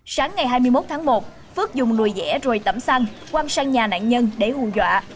sáng ngày hai mươi một tháng một phước dùng nồi dẻ rồi tẩm xăng quăng sang nhà nạn nhân để hù dọa